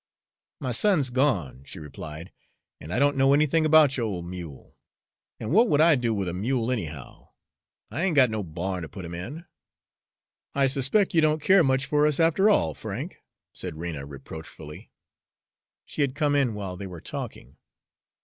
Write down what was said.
"My son's gone," she replied, "an' I don't know nothin' about yo'r old mule. And what would I do with a mule, anyhow? I ain't got no barn to put him in." "I suspect you don't care much for us after all, Frank," said Rena reproachfully she had come in while they were talking.